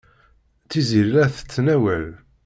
Tiziri la tettnawal.